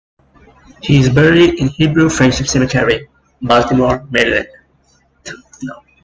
He is buried in Hebrew Friendship Cemetery, Baltimore, Maryland.